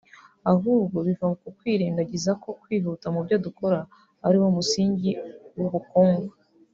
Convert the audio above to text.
ahubwo biva ku kwirengagiza ko kwihuta mu byo dukora ari wo musingi w’ubukungu